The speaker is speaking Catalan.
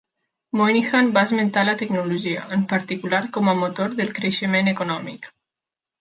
Moynihan va esmentar la tecnologia, en particular, com a motor del creixement econòmic.